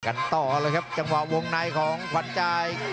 กันต่อเลยครับจังหวะวงในของขวัญใจ